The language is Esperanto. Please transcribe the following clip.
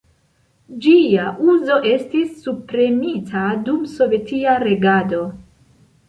Ĝia uzo estis subpremita dum sovetia regado.